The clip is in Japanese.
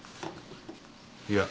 いや。